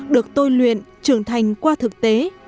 được tôi luyện trưởng thành qua thực tế